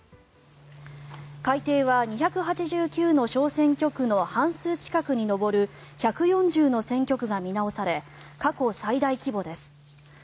改定は２８９の小選挙区の半数近くに上る１４０の選挙区が見直され過去最大規模です。